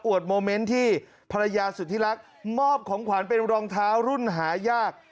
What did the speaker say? โมเมนต์ที่ภรรยาสุธิรักษ์มอบของขวัญเป็นรองเท้ารุ่นหายาก